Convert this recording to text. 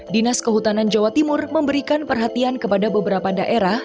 dinas kehutanan jawa timur memberikan perhatian kepada beberapa daerah